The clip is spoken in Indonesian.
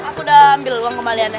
aku udah ambil uang kembaliannya